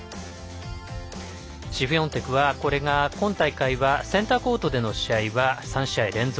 シフィオンテクは今大会はセンターコートでの試合は３試合連続。